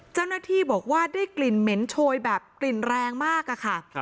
เจ้าหน้าที่บอกว่าได้กลิ่นเหม็นโชยแบบกลิ่นแรงมากอะค่ะ